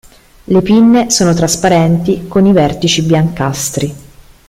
Le pinne sono trasparenti con i vertici biancastri.